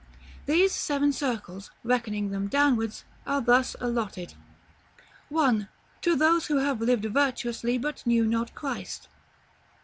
These seven circles, reckoning them downwards, are thus allotted: 1. To those who have lived virtuously, but knew not Christ.